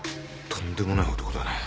とんでもない男だね。